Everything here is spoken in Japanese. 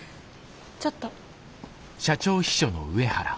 ちょっと。